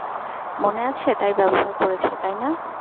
মানে, আছে তাই ব্যবহার করেছে, তাই না?